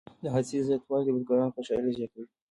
د حاصل زیاتوالی د بزګرانو خوشحالي زیاته وي.